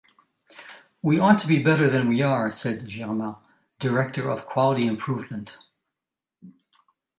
"We ought to be better than we are," said Germain, director of Quality Improvement.